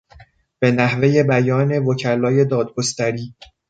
به نحوهی بیان وکلای دادگستری